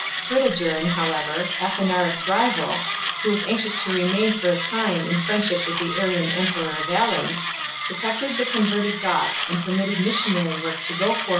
Fritigern, however, Athanaric s rival, who was anxious to remain for a time in friendship with the Arian emperor Valens, protected the converted Goths and permitted missionary work to go forward un hindered.